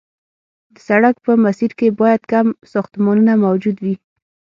د سړک په مسیر کې باید کم ساختمانونه موجود وي